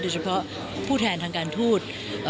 เฉพาะผู้แทนทางการทูต